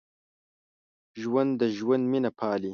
ژوندي د ژوند مینه پالي